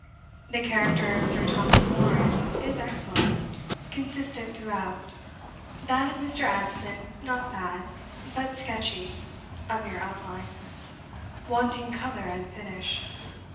The character of Sir Thomas Warren is excellent; consistent throughout. That of Mr. Addison not bad, but sketchy, a mere outline wanting colour and finish.